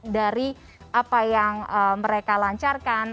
dari apa yang mereka lancarkan